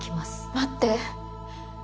待って。